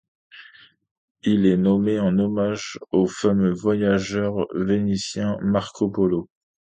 Il est nommé en hommage au fameux voyageur vénitien Marco Polo.